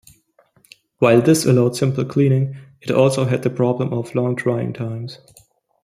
While this allowed simple cleaning, it also had the problem of long drying times.